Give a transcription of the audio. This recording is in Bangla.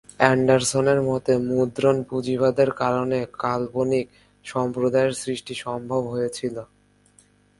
অ্যান্ডারসনের মতে, "মুদ্রণ পুঁজিবাদের" কারণে কাল্পনিক সম্প্রদায়ের সৃষ্টি সম্ভব হয়েছিল।